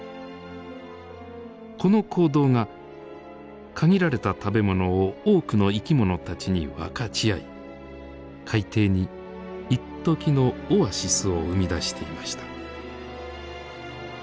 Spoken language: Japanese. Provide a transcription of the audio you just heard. この行動が限られた食べ物を多くの生き物たちに分かち合い海底にいっときのオアシスを生み出していました。